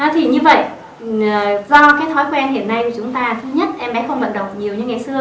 thì như vậy do cái thói quen hiện nay của chúng ta thứ nhất em bé không vận động nhiều như ngày xưa